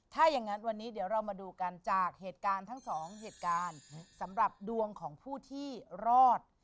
ถ้าอย่างนั้นวันนี้เดี๋ยวเรามาดูกันจากเหตุการณ์ทั้งสองเหตุการณ์สำหรับดวงของผู้ที่รอด